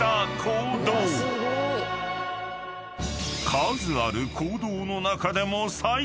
［数ある坑道の中でも］